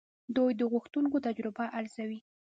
دوی د غوښتونکو تجربه ارزوي.